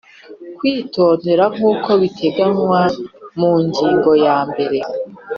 kwitondera nk uko biteganywa mu ngingo ya mbere